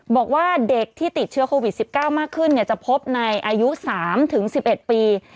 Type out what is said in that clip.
บอกว่าเด็กที่ติดเชื้อโควิด๑๙มากขึ้นจะพบในอายุ๓๑๑ปี